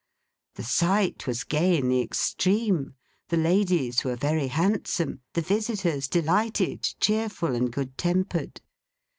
The sight was gay in the extreme; the ladies were very handsome; the visitors delighted, cheerful, and good tempered.